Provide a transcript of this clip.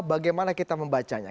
bagaimana kita membacanya